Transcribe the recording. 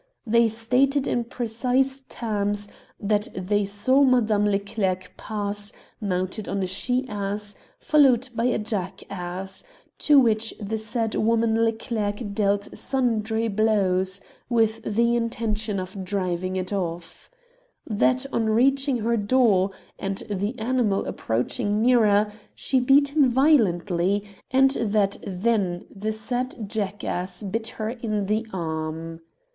They stated in precise terms that ' they saw Madame Leclerc pass, mounted on a she ass, followed by a jackass, to which the said woman Lecierc dealt sundry blows, with the intention of driving it off; that, on reaching her door, and the animal approach ing nearer, she beat him violently, and that then the said jackass bit her in the arm.'